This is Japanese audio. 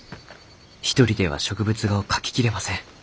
一人では植物画を描き切れません。